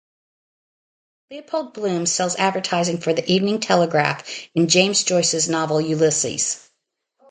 Leopold Bloom sells advertising for the "Evening Telegraph" in James Joyce's novel "Ulysses".